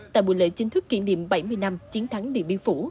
tại buổi lễ chính thức kỷ niệm bảy mươi năm chiến thắng điện biên phủ